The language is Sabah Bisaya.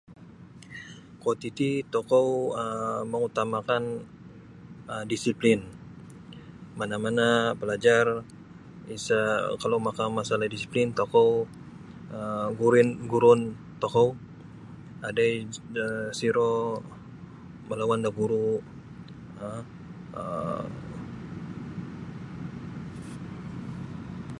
Kuo titi tokou um mangutama'kan um disiplin mana'-mana' pelajar isa' kalau maka masalah disiplin tokou gurin guruon tokou adai dasiro melawan da guru' um